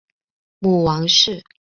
母王氏。